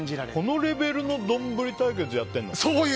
このレベルの丼対決をやってるの？